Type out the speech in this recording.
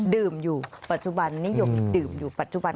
ดื่มอยู่ปัจจุบันนิยมดื่มอยู่ปัจจุบัน